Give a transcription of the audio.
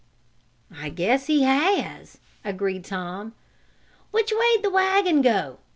"I guess he has!" agreed Tom. "Which way did the wagon go?